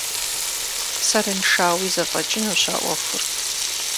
Сэрыншэуи зэфӏэкӏынущ а ӏуэхур.